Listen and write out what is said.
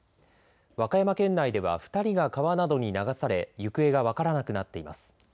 和歌山県内では２人が川などに流され行方が分からなくなっています。